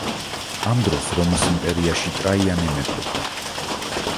ამ დროს რომის იმპერიაში ტრაიანე მეფობდა.